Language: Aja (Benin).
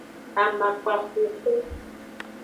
Amakpa xuxu.